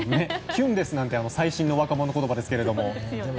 キュンですなんて最新の若者言葉ですが。